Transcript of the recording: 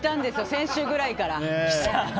先週ぐらいから。